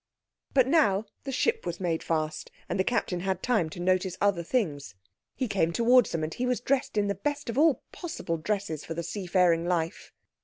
But now the ship was made fast, and the Captain had time to notice other things. He came towards them, and he was dressed in the best of all possible dresses for the seafaring life.